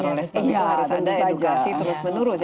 roles begitu harus ada edukasi terus menurus